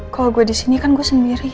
kalau gue di sini kan gue sendiri